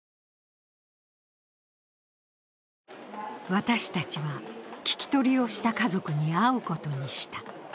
私たちは、聞き取りをした家族に会うことにした。